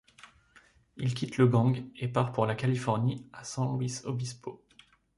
Il quitte le gang et part pour la Californie à San Luis Obispo.